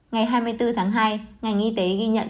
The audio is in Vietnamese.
ngày hai mươi bốn tháng hai ngành y tế ghi nhận